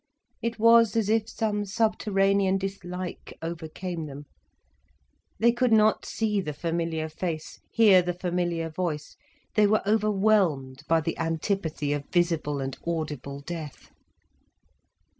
It was as if some subterranean dislike overcame them. They could not see the familiar face, hear the familiar voice. They were overwhelmed by the antipathy of visible and audible death.